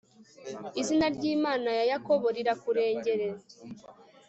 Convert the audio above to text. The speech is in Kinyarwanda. izina ry'imana ya yakobo rirakurengere